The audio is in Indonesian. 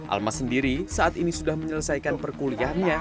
almas sendiri saat ini sudah menyelesaikan perkuliahannya